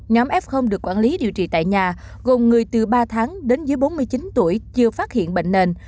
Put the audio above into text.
nhóm f được quản lý điều trị tại nhà gồm người từ ba tháng đến dưới bốn mươi chín tuổi chưa phát hiện bệnh nền